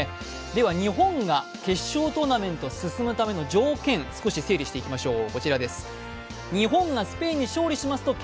では、日本が決勝トーナメントに進むための条件を少し整理していきましょう。